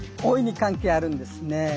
大いに関係あるんですね。